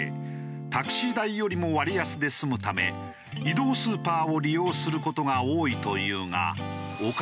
タクシー代よりも割安で済むため移動スーパーを利用する事が多いというが。